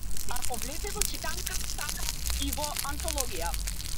Ако влезе во читанка, сака и во антологија.